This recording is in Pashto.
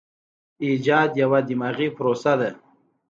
ایجاد یوه دماغي پروسه ده.